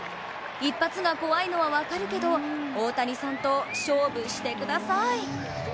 １発が怖いのは分かるけど、大谷さんと勝負してください。